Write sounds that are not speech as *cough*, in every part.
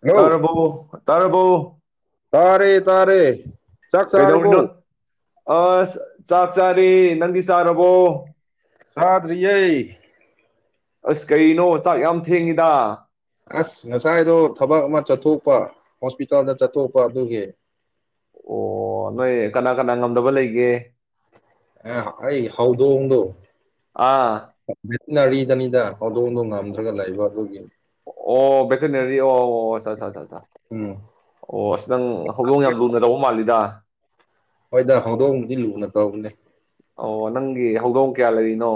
hello ꯇꯔꯕ‌ꯣ ꯇꯔꯕ‌ꯣ ꯇꯥꯔꯦ ꯇꯥꯔꯦ ꯆꯥꯛ ꯀꯩꯗꯧꯅꯣ ꯆꯥꯔꯕꯣ ꯑꯁ ꯆꯥꯛ ꯆꯥꯔꯤ ꯅꯪꯗꯤ ꯁꯥꯔꯕꯣ ꯁꯥꯗ꯭ꯔꯤꯌ‌ꯦ ꯑꯁ ꯀꯩꯅꯣ ꯆꯥꯛ ꯌꯥꯝ ꯊꯦꯡꯉꯤꯗ ꯑꯁ ꯉꯁꯥꯏꯗꯣ ꯊꯕꯛ ꯑꯃ ꯆꯠꯊꯣꯛꯄ ꯍꯣꯁꯄꯤꯇꯥꯜꯗ ꯆꯠꯊꯣꯛꯄ ꯑꯗꯨꯒꯤ ꯑꯣ ꯅꯣꯏ ꯀꯅꯥ ꯀꯅꯥ ꯉꯝꯗꯕ ꯂꯩꯒꯦ ꯑ ꯑꯩ ꯍꯧꯗꯣꯡꯗ‌ꯣ ꯑꯥ ꯚꯦꯇꯤꯅꯔꯤꯗꯅꯤꯗ ꯍꯗꯣꯡꯗ‌ꯣ ꯉꯝꯗ꯭ꯔꯒ ꯂꯩꯕ ꯑꯗꯨꯒꯤ ꯑꯣ ꯚ‌ꯦꯇꯤꯅꯦꯔꯤ ꯑꯣ ꯑꯣ ꯑꯆꯥ ꯑꯆꯥ ꯆꯥ ꯎꯝ ꯑꯣ ꯑꯁ ꯅꯪ ꯍꯧꯗꯣꯡ ꯌꯥꯝ ꯂꯨꯅ ꯇꯧꯕ ꯃꯥꯜꯂꯤꯗ ꯍꯣꯏꯗ ꯍꯧꯗꯣꯡꯕꯗꯤ ꯂꯨꯅ ꯇꯧꯕꯅꯦ ꯑꯣ ꯅꯪꯒꯤ ꯍꯧꯗꯣꯡ ꯀꯌꯥ ꯂꯩꯔꯤꯅꯣ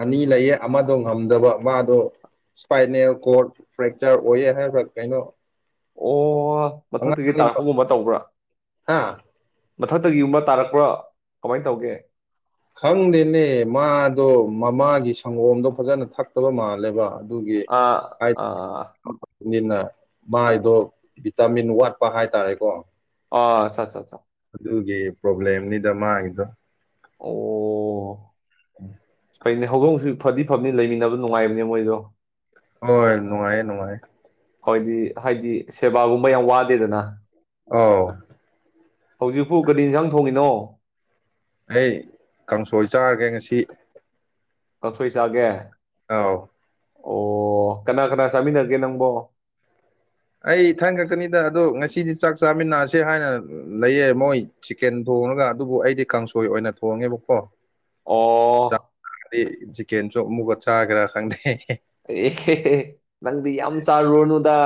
ꯑꯅꯤ ꯂꯩꯌꯦ ꯑꯃꯗꯣ ꯉꯝꯗꯕ ꯃꯥꯗꯣ ꯏꯁꯄꯥꯏꯅꯦꯜ ꯀꯣꯔꯠ ꯐ꯭ꯔꯦꯛꯆꯔ ꯑꯣꯏꯌꯦ ꯍꯥꯏꯕ ꯀꯩꯅꯣ ꯑꯣ ꯃꯊꯛꯇꯒꯤ ꯑꯉꯥꯡꯅꯤꯕ ꯇꯥꯔꯛꯄꯒꯨꯝꯕ ꯇꯧꯕ꯭ꯔꯥ ꯍꯥ ꯃꯊꯛꯇꯒꯤ ꯌꯨꯝꯕ ꯇꯥꯔꯛꯄ꯭ꯔꯣ ꯀꯃꯥꯏꯅ ꯇꯧꯒꯦ ꯈꯪꯗꯦꯅꯦ ꯃꯥꯗꯣ ꯃꯃꯥꯒꯤ ꯁꯪꯒꯣꯝꯗꯣ ꯐꯖꯅ ꯊꯛꯇꯕ ꯃꯥꯜꯂꯦꯕ ꯑꯗꯨꯒꯤ ꯑꯥ ꯑꯥ ꯟꯅ ꯃꯥꯏꯗꯣ ꯚꯤꯇꯥꯃꯤꯟ ꯋꯥꯠꯄ ꯍꯥꯏꯇꯥꯔꯦꯀꯣ ꯑꯣ ꯑꯆꯥꯆꯥꯆꯥ ꯑꯗꯨꯒꯤ ꯄ꯭ꯔꯣꯕ꯭ꯂꯦꯝꯅꯤꯗ ꯃꯥꯒꯤꯗꯣ ꯑꯣ ꯎꯝ ꯐꯩꯅꯤ ꯍꯧꯗꯣꯡꯁꯨ ꯐꯗꯤ ꯐꯕꯅꯤ ꯂꯩꯃꯤꯟꯅꯕ ꯅꯨꯡꯉꯥꯏꯕꯅꯦ ꯃꯣꯏꯗꯣ ꯍꯣꯏ ꯅꯨꯡꯉꯥꯏꯦ ꯅꯨꯡꯉꯥꯏ ꯑꯩꯣꯏꯗꯤ ꯍꯥꯏꯗꯤ ꯁꯦꯕꯥꯒꯨꯝꯕ ꯌꯥꯝ ꯋꯥꯗꯦꯗꯅ ꯑꯥꯎ ꯍꯧꯖꯤꯛꯐꯨ ꯒꯥꯔꯤ ꯏꯟꯁꯥꯡ ꯊꯣꯡꯉꯤꯅꯣ ꯑꯩ ꯀꯥꯡꯁꯣꯏ ꯆꯥꯔꯒꯦ ꯉꯁꯤ ꯀꯛꯊꯣꯏ ꯆꯥꯒꯦ ꯑꯥꯎ ꯑꯣ ꯀꯅꯥ ꯀꯅꯥ ꯆꯥꯃꯤꯟꯅꯒꯦ ꯅꯪꯕꯣ ꯑꯩ ꯏ ꯊꯟ ꯈꯀꯅꯤꯗ ꯑꯗꯣ ꯉꯁꯤꯗꯤ ꯆꯥꯛ ꯆꯥꯃꯤꯟꯅꯁꯦ ꯍꯥꯏꯅ ꯂꯩꯌꯦ ꯃꯣꯏ ꯆꯤꯛꯀꯦꯟ ꯊꯣꯡꯉꯒ ꯑꯗꯨꯕꯨ ꯑꯩꯗꯤ ꯀꯥꯡꯁꯣꯏ ꯑꯣꯏꯅ ꯊꯣꯡꯉꯦꯕꯀꯣ ꯑꯣ ꯍꯥꯏꯗꯤ ꯆꯤꯛꯀꯦꯟ ꯆꯣꯞ ꯑꯃꯨꯛꯀ ꯆꯥꯒꯦꯔꯥ ꯈꯪꯗꯦ ꯑꯦꯍꯦ ꯅꯪꯗꯤ ꯌꯥꯝ ꯆꯥꯔꯨꯔꯅꯨꯗ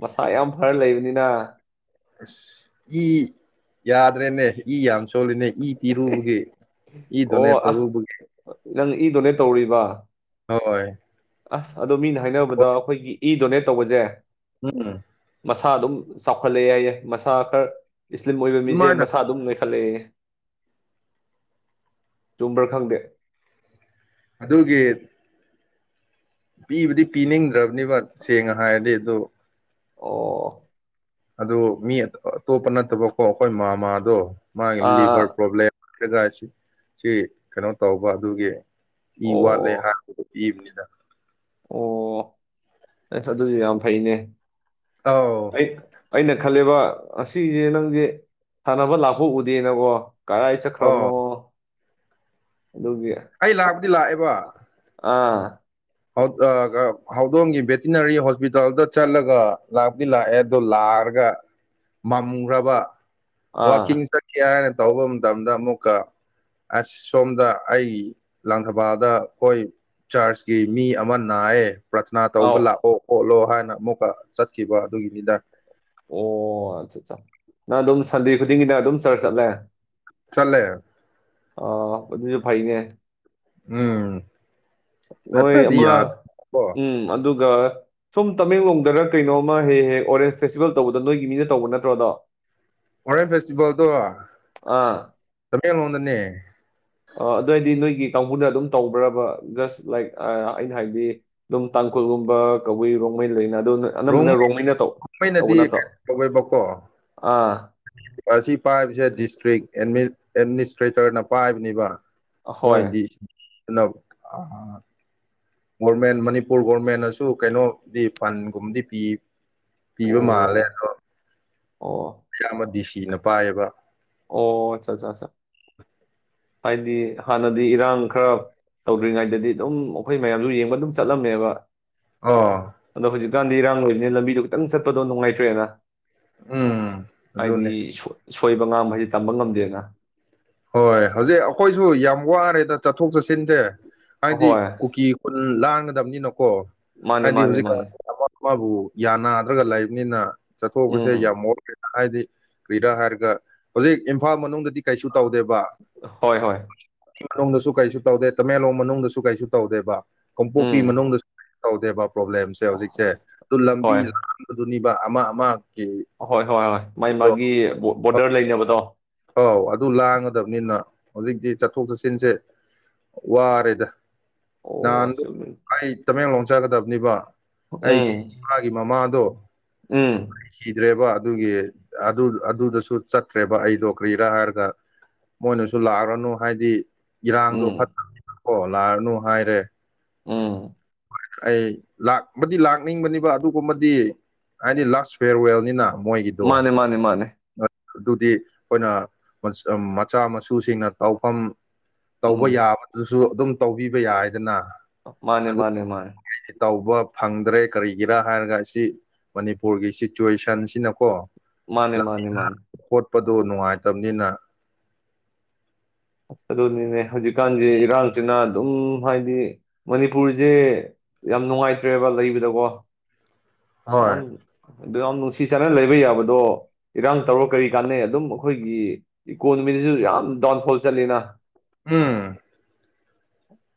ꯃꯁꯥ ꯌꯥꯝ ꯐꯔ ꯂꯩꯕꯅꯤꯅ ꯑꯁ ꯏ ꯌꯥꯗ꯭ꯔꯦꯅꯦ ꯏ ꯌꯥꯝ ꯆꯣꯜꯂꯤꯅꯦ ꯏ ꯏꯔꯨꯕꯒꯤꯦ ꯏ ꯑꯣ ꯗꯣꯅꯦꯠ ꯑꯁ ꯇꯧꯔꯨꯕꯒꯤ ꯅꯪ ꯏ ꯗꯣꯅꯦꯠ ꯇꯧꯔꯤꯕ ꯍꯣꯏ ꯑꯁ ꯑꯗꯣ ꯃꯤꯅ ꯍꯥꯏꯅꯕꯗ ꯍꯣꯏ ꯑꯩꯈꯣꯏꯒꯤ ꯏ ꯗꯣꯅꯦꯠ ꯇꯧꯕꯁꯦ ꯎꯝ ꯃꯁꯥ ꯑꯗꯨꯝ ꯆꯥꯎꯈꯠꯂꯛꯑꯦ ꯌꯥꯏꯌꯦꯏ ꯃꯁꯥ ꯈꯔ ꯏꯁꯂꯤꯝ ꯑꯣꯏꯕ ꯃꯤꯁꯦ ꯑꯗꯨꯃꯥꯏꯅ ꯃꯁꯥ ꯑꯗꯨꯝ ꯂꯣꯏꯈꯠꯂꯛꯏ ꯆꯨꯝꯕ꯭ꯔꯥ ꯈꯪꯗꯦ ꯑꯗꯨꯒꯤ ꯄꯤꯕꯗꯤ ꯄꯤꯅꯤꯡꯗ꯭ꯔꯕꯅꯤꯕ ꯁꯦꯡꯅ ꯍꯥꯏꯔꯗꯤ ꯑꯗꯣ ꯑꯣ ꯑꯗꯨꯣ ꯃꯤ ꯑꯇꯣꯞꯄ ꯅꯠꯇꯕꯀꯣ ꯑꯩꯈꯣꯏ ꯃꯥꯃꯥꯗꯣ ꯃꯥꯒꯤ ꯂꯤꯚꯔ ꯑꯥ ꯄ꯭ꯔꯣꯕ꯭ꯂꯦꯝ ꯔꯒ ꯁꯤ ꯀꯩꯅꯣ ꯇꯧꯕ ꯑꯗꯨꯒꯤ ꯏ ꯋꯥꯠꯂꯦ ꯑꯣ ꯍꯥꯏ ꯏꯕꯅꯤꯗ ꯑꯣ ꯑꯁ ꯑꯗꯨꯁꯨ ꯌꯥꯝ ꯐꯩꯅꯦ ꯑꯥꯎ ꯑꯩ ꯑꯩꯅ ꯈꯜꯂꯦꯕ ꯉꯁꯤꯁꯦ ꯅꯪꯁꯦ ꯁꯥꯟꯅꯕ ꯂꯥꯛꯄ ꯎꯗꯦꯅꯀꯣ ꯀꯔꯥꯏ ꯆꯠꯈ꯭ꯔꯕꯅꯣ ꯑꯣ ꯑꯗꯨꯒꯤ ꯑꯩ ꯂꯥꯛꯄꯗꯤ ꯂꯥꯛꯑꯦꯕ ꯑꯥ ꯍꯧ ꯑ ꯑ ꯍꯧꯗꯣꯡꯒꯤ ꯚꯦꯇꯤꯅꯔꯤ ꯍꯣꯁꯄꯤꯇꯥꯜꯗ ꯆꯠꯂꯒ ꯂꯥꯛꯄꯗꯤ ꯂꯥꯛꯑꯦ ꯑꯗꯣ ꯂꯥꯛꯔꯒ ꯃꯝꯈ꯭ꯔꯕ ꯋꯥꯀꯤꯡ ꯑꯥ ꯆꯠ *unintelligible* ꯀꯦ ꯍꯥꯏꯅ ꯇꯧꯕ ꯃꯇꯝꯗ ꯑꯃꯨꯛꯀ ꯑꯁ ꯁꯣꯝꯗ ꯑꯩ ꯂꯥꯡꯊꯕꯥꯜꯗ ꯑꯩꯈꯣꯏ ꯆꯔꯆ ꯀꯤ ꯃꯤ ꯑꯃ ꯅꯥꯏꯌꯦ ꯄ꯭ꯔꯊꯅꯥ ꯑꯥꯎ ꯇꯧꯕ ꯂꯥꯛ__ ꯑꯣ ꯑꯣꯠꯂꯣ ꯍꯥꯏꯅ ꯑꯃꯨꯛꯀ ꯆꯠꯈꯤꯕ ꯑꯗꯨꯒꯤꯅꯤꯗ ꯑꯣ ꯑꯠꯆꯥ ꯑꯠꯆꯥ ꯅꯪ ꯑꯗꯨꯝ ꯁꯟꯗꯦ ꯈꯨꯗꯤꯡꯒꯤ ꯅꯪ ꯑꯗꯨꯝ ꯆꯔꯆ ꯆꯠꯂꯦ ꯆꯠꯂꯦ ꯑꯣ ꯑꯗꯨꯁꯨ ꯐꯩꯅꯦ ꯎꯝ ꯅꯣꯏ ꯅꯠꯇ꯭ꯔꯗꯤ ꯑꯃ ꯌꯥꯗꯕꯀꯣ ꯎꯝ ꯑꯗꯨꯒ ꯁꯨꯝ ꯇꯃꯦꯡꯂꯣꯡꯗꯔ ꯀꯩꯅꯣꯃ ꯍꯦꯛ ꯍꯦꯛ ꯑꯣꯔꯦꯟꯁ ꯐꯦꯁꯇꯤꯚꯦꯜ ꯇꯧꯕꯗ ꯅꯣꯏꯒꯤ ꯃꯤꯅ ꯇꯧꯕ ꯅꯠꯇ꯭ꯔꯣ ꯑꯗꯣ ꯑꯣꯔꯦꯟꯖ ꯐꯦꯁꯇꯤꯚꯦꯜꯗꯣ ꯑꯥ ꯇꯃꯦꯡꯂꯣꯡꯗꯅꯦ ꯑꯗꯣ ꯍꯥꯏꯗꯤ ꯅꯣꯏꯒꯤ ꯀꯥꯡꯕꯨꯅ ꯑꯗꯨꯝ ꯇꯧꯕ꯭ꯔꯕꯥ ꯖꯁ ꯂꯥꯏꯛ ꯑ ꯑꯩꯅ ꯍꯥꯏꯕꯗꯤ ꯑꯗꯨꯝ ꯇꯥꯡꯈꯨꯜꯒꯨꯝꯕ ꯀꯕꯨꯏ ꯔꯣꯡꯃꯩ ꯂꯩꯅ ꯑꯗꯣ ꯅꯣꯏ ꯑꯅꯝꯕꯅ ꯔꯣꯡꯃꯩꯅ ꯇꯧ ꯇꯧꯕ ꯔꯣꯡꯃꯩꯅꯗꯤ ꯅꯠꯇ꯭ꯔꯣ ꯀꯩꯅꯣ ꯇꯧꯋꯦꯕꯀꯣ ꯑꯥ ꯑꯁꯤ ꯄꯥꯏꯕꯁꯦ ꯗꯤꯁꯇ꯭ꯔꯤꯛ ꯑꯦꯠꯃꯤꯠ ꯑꯦꯠꯃꯤꯅꯤꯁꯇ꯭ꯔꯦꯇꯔꯅ ꯄꯥꯏꯕꯅꯤꯕ ꯍꯣꯏ ꯃꯣꯏꯗꯤ ꯄꯨꯅꯞ ꯑꯍꯥ ꯍꯥ ꯒꯣꯔꯃꯦꯟ ꯃꯅꯤꯄꯨꯔ ꯒꯣꯔꯃꯦꯟꯅꯁꯨ ꯀꯩꯅꯣꯗꯤ ꯐꯟꯒꯨꯝꯕꯗꯤ ꯄꯤ ꯄꯤꯕ ꯃꯥꯜꯂꯦ ꯑꯣ ꯑꯗꯣ ꯑꯣ ꯑꯌꯥꯝꯕ ꯗꯤ ꯁꯤꯅ ꯄꯥꯏꯌꯦꯕ ꯑꯣ ꯑꯠꯆꯥ ꯆꯥ ꯆꯥ ꯍꯥꯏꯗꯤ ꯍꯥꯟꯅꯗꯤ ꯏꯔꯥꯡ ꯈꯔ ꯇꯧꯗ꯭ꯔꯤꯉꯩꯗꯗꯤ ꯑꯗꯨꯝ ꯑꯩꯈꯣꯏ ꯃꯌꯥꯝꯁꯨ ꯌꯦꯡꯕ ꯑꯗꯨꯝ ꯆꯠꯂꯝꯃꯦꯕ ꯑꯣ ꯑꯗꯣ ꯍꯧꯖꯤꯛꯀꯥꯟꯗꯤ ꯏꯔꯥꯡ ꯂꯩꯕꯅꯤꯅꯦ ꯂꯝꯕꯤꯗꯣ ꯈꯤꯇꯪ ꯆꯠꯄꯗꯣ ꯅꯨꯡꯉꯥꯏꯇ꯭ꯔꯦꯅ ꯎꯝ ꯍꯥꯏꯗꯤ ꯑꯗꯨꯅꯦ ꯁꯣꯏ ꯁꯣꯏꯕ ꯉꯥꯝꯕ ꯍꯥꯏꯕꯁꯤ ꯇꯝꯕ ꯉꯝꯗꯦꯅ ꯍꯣꯏ ꯍꯧꯖꯤꯛ ꯑꯩꯈꯣꯏꯁꯨ ꯌꯥꯝ ꯋꯥꯔꯦꯗ ꯆꯠꯊꯣꯛ ꯆꯠꯁꯤꯟꯁꯦ ꯍꯥꯏꯗꯤ ꯑꯍꯣꯏ ꯀꯨꯀꯤ ꯈꯨꯟ ꯂꯥꯟꯒꯗꯕꯅꯤꯅꯀꯣ ꯃꯥꯅꯦ ꯍꯥꯏꯗꯤ ꯃꯥꯅꯦ ꯃꯥꯅꯦ ꯍꯧꯖꯤꯛꯀꯥꯟꯁꯦ ꯑꯃ ꯑꯃꯕꯨ ꯌꯥꯅꯥꯗ꯭ꯔꯒ ꯂꯩꯕꯅꯤꯅ ꯆꯠꯊꯣꯛꯄꯁꯦ ꯎꯝ ꯌꯥꯝ ꯋꯥ__ *unintelligible* ꯍꯥꯏꯗꯤ ꯀꯔꯤꯔ ꯍꯥꯏꯔꯒ ꯍꯧꯖꯤꯛ ꯏꯝꯐꯥꯜ ꯃꯅꯨꯡꯗꯗꯤ ꯀꯩꯁꯨ ꯇꯧꯗꯦꯕ ꯍꯣꯏ ꯍꯣꯏ ꯆꯤꯡꯂꯣꯝꯗꯁꯨ ꯀꯩꯁꯨ ꯇꯧꯗꯦ ꯇꯃꯦꯡꯂꯣꯡ ꯃꯅꯨꯡꯗꯁꯨ ꯀꯩꯁꯨ ꯇꯧꯗꯦꯕ ꯀꯥꯡꯄꯣꯛꯄꯤ ꯎꯝ ꯃꯅꯨꯡꯗꯁꯨ ꯇꯧꯗꯦꯕ ꯄ꯭ꯔꯣꯕ꯭ꯂꯦꯝꯁꯦ ꯍꯧꯖꯤꯛꯁꯦ ꯑꯗꯨ ꯂꯝꯕꯤ ꯍꯣꯏ ꯂꯥꯟꯕꯗꯨꯅꯤꯕ ꯑꯃ ꯑꯃ ꯑꯍꯣꯏ ꯍꯣꯏ ꯍꯣꯏ ꯃꯥꯥꯏ ꯃꯥꯒꯤ ꯕꯣ ꯕꯣꯔꯗꯔ ꯂꯩꯅꯕꯗꯣ ꯑꯧ ꯑ__ ꯑꯗꯨ ꯂꯥꯟꯒꯗꯕꯅꯤꯅ ꯍꯧꯖꯤꯛꯇꯤ ꯆꯠꯊꯣꯛ ꯆꯠꯁꯤꯟꯁꯦ ꯋꯥꯔꯦꯗ ꯑꯣ ꯅꯍꯥꯟꯗꯣ ꯑꯁ ꯑꯩ ꯇꯃꯦꯡꯂꯣꯡ ꯆꯠꯒꯗꯕꯅꯤꯕ ꯑꯩꯒꯤ ꯎꯝ ꯏꯃꯥꯒꯤ ꯃꯃꯥꯗꯣ ꯎꯝ ꯂꯩꯈꯤꯗ꯭ꯔꯦꯕ ꯑꯗꯨꯒꯤ ꯑꯗꯨ ꯑꯗꯨꯗꯁꯨ ꯆꯠꯇ꯭ꯔꯦꯕ ꯑꯩꯗꯣ ꯀꯔꯤꯔꯥ ꯍꯥꯏꯔꯒ ꯃꯣꯏꯅꯁꯨ ꯂꯥꯛꯑꯔꯅꯨ ꯍꯥꯏꯗꯤ ꯏꯔꯥꯡꯗꯣ ꯎꯝ ꯐꯠꯇꯕꯅꯤꯅꯀꯣ ꯂꯥꯛꯑꯅꯨ ꯍꯥꯏꯔꯦ ꯎꯝ ꯑꯩ ꯂꯥꯛ ꯕꯗꯤ ꯂꯥꯛꯅꯤꯡꯕꯅꯤꯕ ꯑꯗꯨꯒꯨꯝꯕꯗꯤ ꯍꯥꯏꯗꯤ ꯂꯥꯁ ꯐꯤꯌꯥꯔꯋꯦꯜꯅꯤꯅ ꯃꯣꯏꯒꯤꯗꯣ ꯃꯥꯅꯦ ꯃꯥꯅꯦ ꯃꯥꯅꯦ *unintelligible* ꯑꯗꯨꯗꯤ ꯑꯩꯈꯣꯏꯅ ꯃꯆꯥ ꯃꯁꯨꯁꯤꯡꯅ ꯇꯧꯐꯝ ꯇꯧꯕ ꯎꯝ ꯌꯥꯕꯗꯨꯁꯨ ꯑꯗꯨꯝ ꯇꯧꯕꯤꯕ ꯌꯥꯏꯗꯅ ꯃꯥꯅꯦ ꯃꯥꯅꯦ ꯃꯥꯅꯦ ꯑꯩꯗꯤ ꯇꯧꯕ ꯐꯪꯗ꯭ꯔꯦ ꯀꯔꯤꯒꯤꯔꯥ ꯍꯥꯏꯔꯒ ꯑꯁꯤ ꯃꯅꯤꯄꯨꯔꯒꯤ ꯁꯤꯆꯨꯋꯦꯁꯟꯁꯤꯅꯀꯣ ꯃꯥꯅꯦ ꯃꯥꯅꯦ ꯃꯥꯅꯦ ꯈꯣꯠꯄꯗꯨ ꯅꯨꯡꯉꯥꯏꯇꯕꯅꯤꯅ ꯑꯗꯨꯅꯤꯅꯦ ꯍꯧꯖꯤꯛꯀꯥꯟꯗꯤ ꯏꯔꯥꯡꯁꯤꯅ ꯑꯗꯨꯝ ꯍꯥꯏꯗꯤ ꯃꯅꯤꯄꯨꯔꯁꯦ ꯌꯥꯝ ꯅꯨꯡꯉꯥꯏꯇ꯭ꯔꯦꯕ ꯂꯩꯕꯗꯀꯣ ꯍꯣꯏ ꯌꯥꯝ ꯑꯗꯨ ꯌꯥꯝ ꯅꯨꯡꯁꯤ ꯆꯥꯟꯅꯅ ꯂꯩꯕ ꯌꯥꯕꯗꯣ ꯏꯔꯥꯡ ꯇꯧꯔ ꯀꯔꯤ ꯀꯥꯟꯅꯩ ꯑꯗꯨꯝ ꯑꯩꯈꯣꯏꯒꯤ ꯏꯀꯣꯅꯣꯃꯤꯗꯁꯨ ꯌꯥꯝ ꯗꯥꯎꯟꯐꯣꯜ ꯆꯠꯂꯤꯅ ꯎꯝ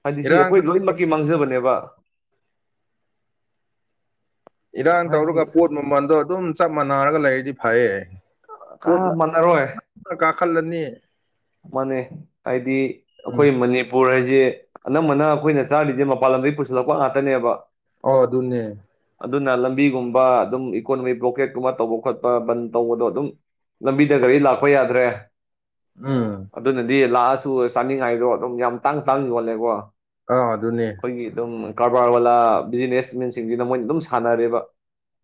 ꯍꯥꯏꯗꯤ ꯁꯤ ꯏꯔꯥꯡ ꯑꯩꯈꯣꯏ ꯂꯣꯏꯅꯃꯛꯀꯤ ꯃꯥꯡꯖꯕꯅꯦꯕ ꯏꯔꯥꯡ ꯍꯥꯏꯗꯤ ꯇꯧꯔꯒ ꯄꯣꯠ ꯃꯃꯜꯗꯣ ꯑꯗꯨꯝ ꯆꯞ ꯃꯥꯟꯅꯔꯒ ꯂꯩꯔꯗꯤ ꯐꯩꯌꯦ ꯀꯥ ꯃꯥꯟꯅꯔꯣꯏ ꯄ ꯀꯥꯈꯜꯅꯤ ꯃꯥꯅꯦ ꯍꯥꯏꯗꯤ ꯎꯝ ꯑꯩꯈꯣꯏ ꯃꯅꯤ ꯃꯄꯨꯔ ꯍꯥꯏꯁꯤ ꯑꯅꯝꯕꯅ ꯑꯩꯈꯣꯏꯅ ꯆꯥꯔꯤꯁꯦ ꯃꯄꯥꯟ ꯂꯝꯗꯒꯤ ꯄꯨꯁꯤꯜꯂꯛꯄ ꯉꯥꯛꯇꯅꯦꯕ ꯑꯣ ꯑꯗꯨꯅꯦ ꯑꯗꯨꯅ ꯂꯝꯕꯤꯒꯨꯝꯕ ꯑꯗꯨꯝ ꯏꯀꯣꯅꯣꯃꯤꯛ ꯕ꯭ꯂꯣꯀꯦꯠꯀꯨꯝꯕ ꯇꯧꯕ ꯈꯣꯠꯄ ꯕꯟ ꯇꯧꯕꯗꯣ ꯑꯗꯨꯝ ꯂꯝꯕꯤꯗ ꯒꯥꯔꯤ ꯂꯥꯛꯄ ꯌꯥꯗ꯭ꯔꯦ ꯎꯝ ꯑꯗꯨꯅꯗꯤ ꯂꯥꯛꯑꯁꯨ ꯆꯥꯅꯤꯡꯉꯥꯏꯗꯣ ꯑꯗꯨꯝ ꯌꯥꯝ ꯇꯥꯡ ꯇꯥꯡ ꯌꯣꯜꯂꯦꯀꯣ ꯑꯥ ꯑꯗꯨꯅꯦ ꯑꯩꯈꯣꯏꯒꯤ ꯑꯗꯨꯝ ꯀꯔꯕꯥꯔ ꯋꯥꯂꯥ ꯕꯤꯖꯤꯅꯦꯁꯃꯦꯟꯁꯤꯡꯁꯤꯅ ꯃꯣꯏꯅ ꯑꯗꯨꯝ ꯁꯥꯟꯅꯔꯦꯕ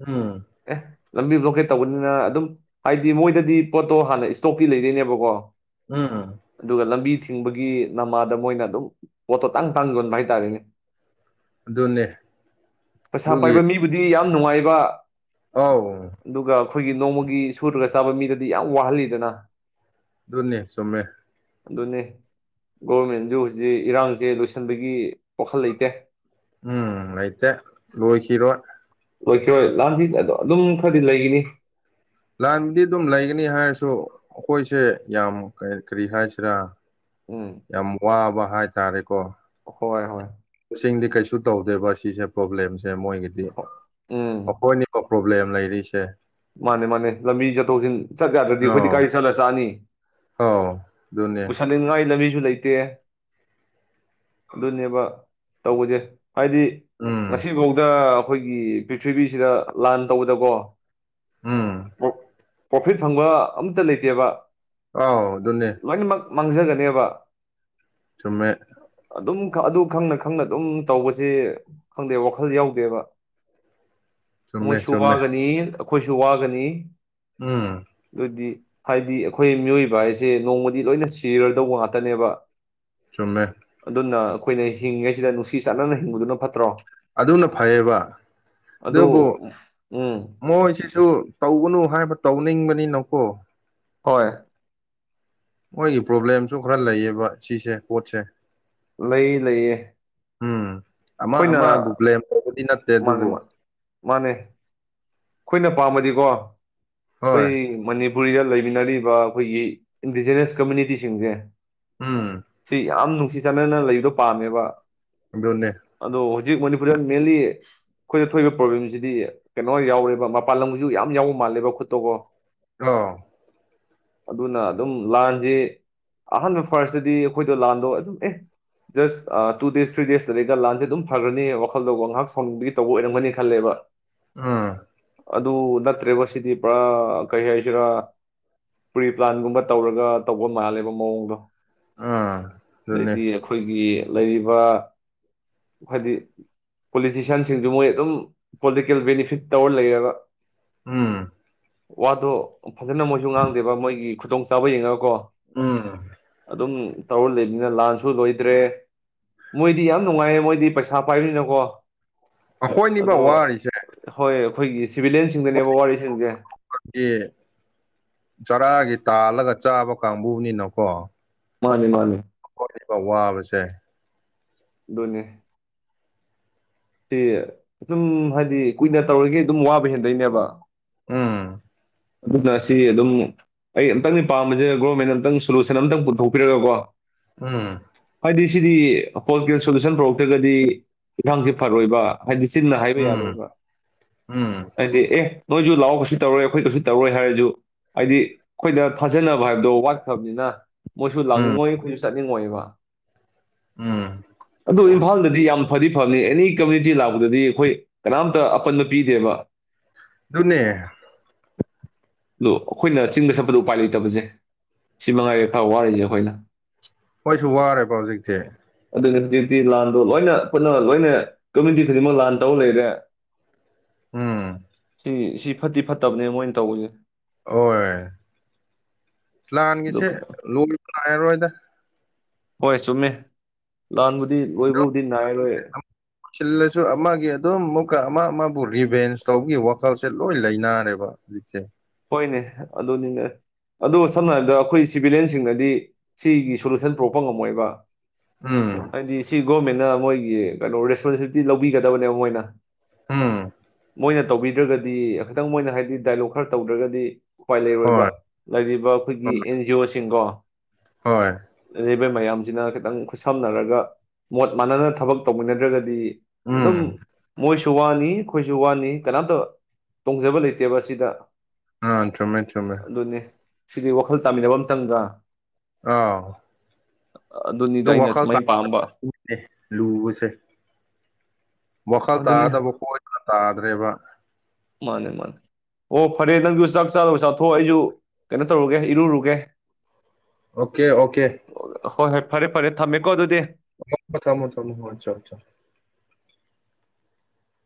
ꯎꯝ ꯑꯦ ꯂꯝꯕꯤ ꯕ꯭ꯂꯣꯀꯦꯠ ꯇꯧꯕꯅꯤꯅ ꯑꯗꯨꯝ ꯍꯥꯏꯗꯤ ꯃꯣꯏꯗꯗꯤ ꯄꯣꯠꯇꯣ ꯍꯥꯟꯅ ꯏꯁꯇꯣꯛꯀꯤ ꯂꯩꯗꯣꯏꯅꯦꯕꯀꯣ ꯎꯝ ꯑꯗꯨꯒ ꯂꯝꯕꯤ ꯊꯤꯡꯕꯒꯤ ꯅꯃꯥꯗ ꯃꯣꯏꯅ ꯑꯗꯨꯝ ꯄꯣꯠꯇꯣ ꯇꯥꯡ ꯇꯥꯡ ꯌꯣꯟꯕ ꯍꯥꯏꯇꯥꯔꯦꯅꯦ ꯑꯗꯨꯅꯦ ꯄꯩꯁꯥ ꯑꯗꯨꯒꯤ ꯄꯥꯏꯕ ꯃꯤꯕꯨꯗꯤ ꯌꯥꯝ ꯅꯨꯡꯉꯥꯏꯕ ꯑꯥꯎ ꯑꯗꯨꯒ ꯑꯩꯈꯣꯏꯒꯤ ꯅꯣꯡꯃꯒꯤ ꯁꯨꯔꯒ ꯆꯥꯕ ꯃꯤꯗꯗꯤ ꯌꯥꯝ ꯋꯥꯍꯜꯂꯤꯗꯅ ꯑꯗꯨꯅꯤ ꯆꯝꯃꯃꯦ ꯑꯗꯨꯅꯤ ꯒꯣꯔꯃꯦꯟꯁꯨ ꯍꯧꯖꯤꯛ ꯏꯔꯥꯡꯁꯦ ꯂꯣꯏꯁꯤꯟꯕꯒꯤ ꯋꯥꯈꯜ ꯂꯩꯇꯦ ꯎꯝ ꯂꯩꯇꯦ ꯂꯣꯏꯈꯤꯔꯣꯏ ꯂꯣꯏꯈꯤꯔꯣꯏ ꯂꯥꯟꯁꯤ ꯑꯗꯣ ꯑꯗꯨꯝ ꯈꯔꯗꯤ ꯂꯩꯈꯤꯅꯤ ꯂꯥꯟꯕꯗꯤ ꯑꯗꯨꯝ ꯂꯩꯒꯅꯤ ꯍꯥꯏꯔꯁꯨ ꯑꯩꯈꯣꯏꯁꯦ ꯌꯥꯝ ꯀ ꯀꯔꯤ ꯍꯥꯏꯁꯤꯔꯥ ꯎꯝ ꯌꯥꯝ ꯋꯥꯕ ꯍꯥꯏꯇꯥꯔꯦꯀꯣ ꯍꯣꯏ ꯍꯣꯏ ꯁꯤꯡꯗꯤ ꯀꯩꯁꯨ ꯇꯧꯗꯦꯕ ꯁꯤꯁꯦ ꯄ꯭ꯔꯣꯕ꯭ꯂꯦꯝꯁꯦ ꯃꯣꯏꯒꯤꯗꯤ ꯍꯣ ꯎꯝ ꯃꯈꯣꯏ ꯣꯏ ꯄꯣꯕ꯭ꯂꯦꯝ ꯂꯩꯔꯤꯦ ꯃꯥꯅꯦ ꯃꯥꯅꯦ ꯂꯝꯕꯤ ꯆꯠꯊꯣꯛꯁꯤꯟ ꯆꯠꯀ ꯌꯥꯗ꯭ꯔꯗꯤ ꯑꯩꯈꯣꯏꯗꯤ ꯑꯥꯎ ꯒꯥꯔꯤ ꯆꯠꯂ ꯆꯥꯛꯑꯅꯤ ꯑꯥꯎ ꯑꯗꯨꯅꯦ ꯄꯨꯁꯟꯅꯤꯡꯉꯥꯏ ꯂꯝꯕꯤꯁꯨ ꯂꯩꯇꯦ ꯑꯗꯨꯅꯦꯕ ꯇꯧꯕꯁꯦ ꯍꯥꯏꯗꯤ ꯎꯝ ꯉꯁꯤꯐꯥꯎꯗ ꯑꯩꯈꯣꯏꯒꯤ ꯄ꯭ꯔꯤꯊ꯭ꯤꯕꯤꯁꯤꯗ ꯂꯥꯟ ꯇꯧꯕꯗꯀꯣ ꯎꯝ ꯄ꯭ꯔꯣꯐꯤꯠ ꯐꯪꯕ ꯑꯝꯇ ꯂꯩꯇꯦꯕ ꯑꯥꯎ ꯑꯗꯨꯅꯦ ꯂꯣꯏꯅꯃꯛ ꯃꯥꯡꯖꯒꯅꯦꯕ ꯆꯨꯝꯃꯦ ꯑꯗꯨꯝ ꯑꯗꯨ ꯈꯪꯅ ꯈꯪꯅ ꯑꯗꯨꯝ ꯇꯧꯕꯁꯦ ꯈꯪꯗꯦ ꯋꯥꯈꯜ ꯌꯥꯎꯗꯦꯕ ꯆꯨꯝꯃꯦ ꯃꯣꯏꯁꯨ ꯆꯨꯝꯃꯦ ꯋꯥꯒꯅꯤ ꯑꯩꯈꯣꯏꯁꯨ ꯋꯥꯒꯅꯤ ꯎꯝ ꯑꯗꯨꯗꯤ ꯍꯥꯏꯗꯤ ꯑꯩꯈꯣꯏ ꯃꯤꯑꯣꯏꯕ ꯍꯥꯏꯁꯦ ꯅꯣꯡꯃꯗꯤ ꯂꯣꯏꯅ ꯁꯤꯔꯗꯧꯕ ꯉꯥꯛꯇꯅꯦꯕ ꯆꯨꯝꯃꯦ ꯑꯗꯨꯅ ꯑꯩꯈꯣꯏꯅ ꯍꯤꯡꯉꯩꯁꯤꯗ ꯅꯨꯡꯁꯤ ꯆꯥꯟꯅꯅ ꯍꯤꯡꯕꯗꯨꯅ ꯐꯠꯇ꯭ꯔꯣ ꯑꯗꯨꯅ ꯐꯩꯌꯦꯕ ꯑꯗꯨ ꯑꯗꯨꯕꯨ ꯎꯝ ꯃꯣꯏꯁꯤꯁꯨ ꯇꯧꯒꯅꯨ ꯍꯥꯏꯕ ꯇꯧꯅꯤꯡꯕꯅꯤꯅꯀꯣ ꯍꯣꯏ ꯃꯣꯏꯒꯤ ꯄ꯭ꯔꯣꯕ꯭ꯂꯦꯝꯁꯨ ꯈꯔ ꯂꯩꯌꯦꯕ ꯁꯤꯁꯦ ꯄꯣꯠꯁꯦ ꯂꯩ ꯂꯩꯌꯦ ꯎꯝ ꯑꯃ ꯑꯩꯈꯣꯏꯅ ꯑꯃꯕꯨ ꯕ꯭ꯂꯦꯝ ꯇꯧꯕꯗꯤ ꯅꯠꯇꯦ ꯃꯥꯅꯦ ꯃꯥ ꯑꯗꯨꯕꯨ ꯃꯥꯅꯦ ꯑꯩꯈꯣꯏꯅ ꯄꯥꯝꯃꯗꯤꯀꯣ ꯍꯣꯏ ꯑꯩꯈꯣꯏꯅꯤ ꯃꯅꯤꯄꯨꯔꯤꯗ ꯂꯩꯃꯤꯟꯅꯔꯤꯕ ꯑꯩꯈꯣꯏꯒꯤ ꯏꯟꯗꯤꯖꯤꯅꯁ ꯀꯝꯃꯨꯅꯤꯇꯤꯁꯤꯡꯁꯦ ꯎꯝ ꯁꯤ ꯌꯥꯝ ꯅꯨꯡꯁꯤ ꯆꯥꯟꯅꯅ ꯂꯩꯕꯗꯣ ꯄꯥꯝꯃꯦꯕ ꯕꯤꯟꯅꯦ ꯑꯗꯣ ꯍꯧꯖꯤꯛ ꯃꯅꯤꯄꯨꯔꯗ ꯃꯦꯟꯂꯤ ꯑꯩꯈꯣꯏꯗ ꯊꯣꯛꯏꯕ ꯄ꯭ꯔꯣꯕ꯭ꯂꯦꯝꯁꯤꯗꯤ ꯀꯩꯅꯣ ꯌꯥꯎꯔꯤ ꯃꯄꯥꯟ ꯂꯝꯒꯤꯁꯨ ꯌꯥꯝ ꯌꯥꯎꯕ ꯃꯥꯜꯂꯦꯕ ꯈꯨꯠꯇꯣꯀꯣ ꯑ ꯑꯗꯨꯅ ꯑꯗꯨꯝ ꯂꯥꯟꯁꯤ ꯑꯍꯥꯟꯕ ꯐꯥꯔꯁꯇꯗꯤ ꯑꯩꯈꯣꯏꯗꯣ ꯂꯥꯟꯗꯣ ꯑꯗꯨꯝ ꯑꯦ ꯖꯁ ꯇꯨ ꯗꯦꯁ ꯊ꯭ꯔꯤ ꯗꯦꯖꯇ ꯂꯩꯒ ꯂꯥꯟꯁꯦ ꯑꯗꯨꯝ ꯐꯈ꯭ꯔꯅꯤ ꯋꯥꯈꯜꯗꯧꯕ ꯉꯥꯏꯍꯥꯛ ꯁꯥꯎꯅꯤꯡꯕꯒꯤ ꯇꯧꯕ ꯑꯣꯏꯔꯝꯒꯅꯤ ꯈꯜꯂꯦꯕ ꯎꯝ ꯑꯗꯨ ꯅꯠꯇ꯭ꯔꯦꯕ ꯁꯤꯗꯤ ꯄꯨꯔꯥ ꯀꯩ ꯍꯥꯏꯁꯤꯔꯥ ꯄ꯭ꯔꯤꯄ꯭ꯂꯥꯟꯒꯨꯝꯕ ꯇꯧꯔꯒ ꯇꯧꯕ ꯃꯥꯜꯂꯦꯕ ꯃꯑꯣꯡꯗꯣ ꯑꯥ ꯑꯗꯨꯅꯦ ꯑꯗꯩꯗꯤ ꯑꯩꯈꯣꯏ ꯑꯩꯈꯣꯏꯒꯤ ꯂꯩꯔꯤꯕ ꯍꯥꯏꯗꯤ ꯄꯣꯂꯤꯇꯤꯁꯤꯌꯥꯟꯁꯤꯡꯗꯨ ꯃꯣꯏ ꯑꯗꯨꯝ ꯄꯣꯂꯤꯇꯤꯀꯦꯜ ꯕꯦꯅꯤꯐꯤꯠ ꯇꯧꯔ ꯂꯩꯔꯒ ꯎꯝ ꯋꯥꯗꯣ ꯐꯖꯅ ꯃꯣꯏꯁꯨ ꯉꯥꯡꯗꯦꯕ ꯃꯣꯏꯒꯤ ꯈꯨꯗꯣꯡꯆꯥꯥꯕ ꯌꯦꯡꯉꯒꯀꯣ ꯎꯝ ꯑꯗꯨꯝ ꯇꯧꯔ ꯂꯩꯅꯤꯅ ꯂꯥꯟꯁꯨ ꯂꯣꯏꯗ꯭ꯔꯦ ꯃꯣꯏꯗꯤ ꯌꯥꯝ ꯅꯨꯡꯉꯥꯏꯌꯦ ꯃꯣꯏꯗꯤ ꯄꯩꯁꯥ ꯄꯥꯏꯕꯅꯤꯅꯀꯣ ꯑꯩꯈꯣꯏꯅꯤꯕ ꯑꯗꯣ ꯋꯥꯔꯤꯁꯦ ꯍꯣꯏ ꯑꯩꯈꯣꯏꯒꯤ ꯁꯤꯚꯂꯤꯌꯟꯁꯤꯡꯗꯅꯦꯕ ꯋꯥꯔꯤꯁꯤꯡꯁꯦ ꯑꯩꯈꯣꯏꯒꯤ ꯆꯔꯥꯒꯤ ꯇꯥꯜꯂꯒ ꯆꯥꯕ ꯀꯥꯡꯕꯨꯅꯤꯅꯀꯣ ꯃꯥꯅꯦ ꯃꯥꯅꯦ ꯍꯧꯣꯏꯕ ꯋꯥꯕꯁꯦ ꯗꯣꯅꯦ ꯁꯤ ꯑꯗꯨꯝ ꯍꯥꯏꯗꯤ ꯀꯨꯏꯅ ꯇꯧꯔꯒ ꯑꯗꯨꯝ ꯋꯥꯕ ꯍꯦꯟꯗꯣꯏꯅꯦꯕ ꯎꯝ ꯑꯗꯨꯅ ꯁꯤ ꯑꯗꯨꯝ ꯑꯩ ꯑꯃꯝꯛꯇꯪꯅꯤ ꯄꯥꯝꯁꯗ ꯒꯣꯔꯃꯦꯦꯟꯟꯅ ꯑꯨꯛꯇꯪ ꯁꯣꯂꯨꯁꯟ ꯑꯝꯇꯪ ꯄꯨꯊꯣꯛꯄꯤꯔꯒꯀꯣ ꯎꯝ ꯍꯥꯏꯗꯤ ꯁꯤꯗꯤ ꯍꯣꯜꯀꯦꯜ ꯁꯣꯂꯨꯁꯟ ꯄꯨꯔꯛꯇ꯭ꯔꯒꯗꯤ ꯏꯟꯈꯥꯡꯁꯤꯦ ꯐꯔꯣꯏꯕ ꯍꯥꯏꯗꯤꯆꯤꯟꯅ ꯍꯥꯏꯕ ꯎꯝ ꯌꯥꯕ ꯎꯝ ꯍꯥꯏꯗꯤ ꯑꯦ ꯅꯣꯏꯁꯨ ꯂꯥꯛꯕꯁꯨ ꯇꯧꯔꯣꯏ ꯑꯩꯈꯣꯏ ꯀꯁꯨ ꯇꯧꯔꯣꯏ ꯍꯥꯏꯔꯁꯨ ꯍꯥꯏꯗꯤ ꯑꯩꯈꯣꯏꯗ ꯊꯥꯖꯅꯕ ꯍꯥꯏꯕꯗꯣ ꯋꯥꯠꯈ꯭ꯔꯕꯅꯤꯅ ꯃꯣꯏꯁꯨ ꯎꯝ ꯂꯥꯛꯅꯤꯡꯉꯣꯏ ꯑꯩꯈꯣꯏꯁꯨ ꯆꯠꯅꯤꯡꯉꯣꯏꯕ ꯎꯝ ꯑꯗꯨ ꯏꯝꯐꯥꯜꯗꯗꯤ ꯌꯥꯝ ꯐꯗꯤ ꯐꯕꯅꯤ ꯑꯦꯅꯤ ꯀꯝꯃꯨꯅꯤꯇꯤ ꯂꯥꯛꯄꯗꯗꯤ ꯑꯩꯈꯣꯏ ꯀꯅꯥꯝꯇ ꯑꯄꯟꯕ ꯄꯤꯗꯦꯕ ꯑꯗꯨꯅꯦ *unintelligible* ꯑꯗꯣ ꯑꯩꯈꯣꯏꯅ ꯆꯤꯡꯗ ꯁꯠꯄꯗ ꯎꯄꯥꯏ ꯂꯩꯇꯕꯁꯦ ꯁꯤ ꯃꯉꯥꯏꯔꯦ ꯈꯔ ꯋꯥꯔꯤꯁꯦ ꯑꯩꯈꯣꯏꯅ ꯈꯣꯏꯁꯨ ꯋꯥꯔꯦꯕ ꯍꯧꯖꯤꯛꯇꯤ ꯑꯗꯨꯅꯤ ꯍꯧꯖꯤꯛꯇꯤ ꯂꯥꯟꯗꯣ ꯂꯣꯏꯅ ꯈꯨꯠꯅ ꯂꯣꯏꯅ ꯀꯝꯃꯨꯅꯤꯇꯤ ꯈꯨꯗꯤꯡꯃꯛ ꯂꯥꯟ ꯇꯧꯔ ꯂꯩꯔꯦ ꯎꯝ ꯏ ꯁꯤ ꯐꯠꯇꯤ ꯐꯠꯇꯕꯅꯦ ꯃꯣꯏꯅ ꯇꯧꯕꯁꯦ ꯍꯣꯏ ꯑꯗꯨ ꯂꯥꯟꯒꯤꯁꯦ ꯂꯣꯏꯕ ꯅꯥꯏꯔꯔꯣꯏꯗ ꯍꯣꯏ ꯆꯨꯝꯃꯦ ꯂꯥꯟꯕꯨꯗꯤ ꯑꯗꯨꯝ ꯂꯣꯏꯕꯕꯨꯗꯤ ꯅꯥꯏꯔꯔꯣꯏ ꯁꯤꯜꯂꯁꯨ ꯑꯃꯒꯤ ꯑꯗꯨꯝ ꯃꯨꯛꯀ ꯑꯃ ꯑꯃꯕꯨ ꯔꯤꯚꯦꯟꯁ ꯇꯧꯕꯒꯤ ꯋꯥ ꯈꯜꯁꯦ ꯂꯣꯏ ꯂꯩꯅꯔꯦꯕ ꯍꯧꯖꯤꯛꯁꯦ ꯍꯣꯏꯅꯦ ꯑꯗꯨꯅꯤꯅꯦ ꯑꯗꯣ ꯁꯝꯅ ꯍꯥꯏꯔꯕꯗ ꯑꯩꯈꯣꯏ ꯁꯤꯚꯤꯂꯤꯟꯁꯤꯡꯅꯗꯤ ꯁꯤꯒꯤ ꯁꯣꯂꯨꯁꯟ ꯄꯨꯔꯛꯄ ꯉꯝꯃꯣꯏꯕ ꯎꯝ ꯍꯥꯏꯗꯤ ꯁꯤ ꯒꯣꯔꯃꯦꯟꯅ ꯃꯣꯏꯒꯤ ꯀꯩꯅꯣ ꯔꯦꯁꯄꯣꯟꯁꯤꯕꯤꯂꯤꯇꯤ ꯂꯧꯕꯤꯒꯗꯕꯅꯦꯕ ꯃꯣꯏꯅ ꯎꯝ ꯃꯣꯏꯅ ꯇꯧꯕꯤꯗ꯭ꯔꯒꯗꯤ ꯈꯤꯇꯪ ꯃꯣꯏꯅ ꯍꯥꯏꯗꯤ ꯗꯥꯏꯂꯣꯛ ꯈꯔ ꯇꯧꯗ꯭ꯔꯒꯗꯤ ꯎꯄꯥꯏ ꯂꯩꯔꯣꯏꯕ ꯍꯣꯏ ꯂꯩꯔꯤꯕ ꯑꯩꯈꯣꯏꯒꯤ ꯍꯣꯏ ꯑꯦꯟ ꯖꯤ ꯑꯣꯁꯤꯡꯒꯣ ꯍꯣꯏ ꯂꯩꯔꯤꯕ ꯃꯌꯥꯝꯁꯤꯅ ꯈꯤꯇꯪ ꯈꯨꯠꯁꯝꯅꯔꯒ ꯃꯣꯠ ꯃꯥꯅꯅ ꯊꯕꯛ ꯇꯧꯃꯤꯟꯅꯗ꯭ꯔꯒꯗꯤ ꯑꯗꯨꯝ ꯎꯝ ꯃꯣꯏ ꯁꯨ ꯋꯥꯅꯤ ꯑꯩꯈꯣꯏꯁꯨ ꯋꯥꯅꯤ ꯀꯅꯥꯝꯇ ꯇꯣꯡꯖꯕ ꯂꯩꯇꯦꯕ ꯑꯁꯤꯗ ꯑ ꯆꯨꯝꯃꯦ ꯆꯨꯝꯃꯦ ꯑꯗꯨꯅꯤ ꯁꯤꯗꯤ ꯋꯥꯈꯜ ꯇꯥꯃꯤꯟꯅꯕ ꯑꯃ ꯆꯪꯗ꯭ꯔ ꯑꯥꯎ ꯑꯗꯨꯅꯤꯗ ꯗꯨꯝ ꯑꯩꯅ ꯋꯥꯈꯜ ꯁꯨꯃꯥꯏꯅ ꯄꯥꯝꯕ *inaudible* ꯂꯨꯕꯁꯦ ꯋꯥꯈꯜ ꯑꯗꯨꯅꯤ ꯇꯥꯗꯕ ꯀꯣꯏꯗꯅ ꯇꯥꯗ꯭ꯔꯦꯕ ꯃꯥꯅꯦ ꯃꯥꯅꯦ ꯑꯣ ꯐꯔꯦ ꯅꯪꯁꯨ ꯆꯥꯛ ꯆꯥꯗꯧ ꯆꯥꯊꯣ ꯑꯩꯁꯨ ꯀꯩꯅꯣ ꯇꯧꯔꯨꯒꯦ ꯏꯔꯨꯔꯨꯒꯦ ꯑꯣꯀꯦ ꯑꯣꯀꯦ ꯑꯣ ꯍꯣꯏ ꯍꯣꯏ ꯐꯔꯦ ꯐꯔꯦ ꯊꯝꯃꯦꯀꯣ ꯑꯗꯨꯗꯤ *unintelligible*